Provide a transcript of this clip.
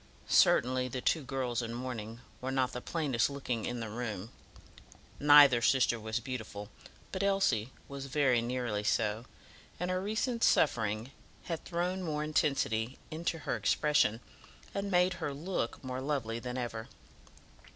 Certainly the two girls in mourning were not the plainest looking in the room. Neither sister was beautiful, but Elsie was very nearly so, and her recent suffering had thrown more intensity into her expression, and made her look more lovely than ever.